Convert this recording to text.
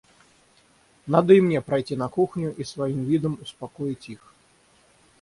Надо и мне пройти на кухню и своим видом успокоить их.